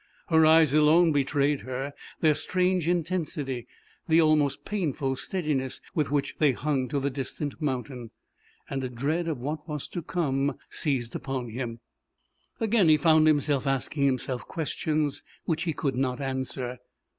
Her eyes alone betrayed her; their strange intensity the almost painful steadiness with which they hung to the distant mountain, and a dread of what was to come seized upon him. Again he found himself asking himself questions which he could not answer.